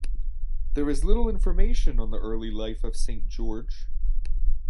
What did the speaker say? There is little information on the early life of Saint George.